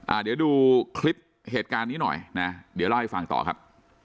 อ่าเดี๋ยวดูคลิปเหตุการณ์นี้หน่อยนะเดี๋ยวเล่าให้ฟังต่อครับ